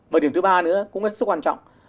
và điểm thứ ba nữa cũng rất là quan trọng